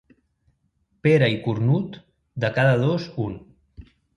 Pere i cornut, de cada dos un.